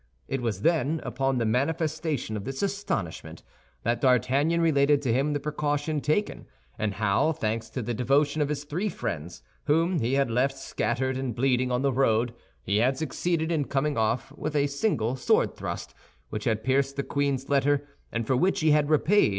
It was then, upon the manifestation of this astonishment, that D'Artagnan related to him the precaution taken, and how, thanks to the devotion of his three friends, whom he had left scattered and bleeding on the road, he had succeeded in coming off with a single sword thrust, which had pierced the queen's letter and for which he had repaid M.